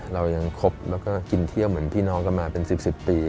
เรายังคบแล้วก็กินเที่ยวเหมือนพี่น้องกันมาเป็น๑๐ปี